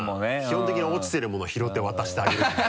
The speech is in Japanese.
基本的に落ちてるものは拾って渡してあげるしね。